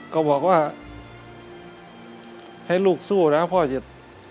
ก็บอกว่าให้ลูกสู้นะพ่อจะ